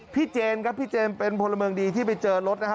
เจนครับพี่เจมส์เป็นพลเมืองดีที่ไปเจอรถนะฮะ